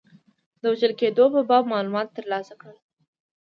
د وژل کېدلو په باب معلومات ترلاسه کړل.